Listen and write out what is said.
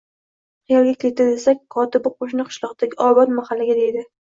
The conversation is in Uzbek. Qaerga ketdi, desak, kotibi qo`shni qishloqdagi Obod mahallada deydi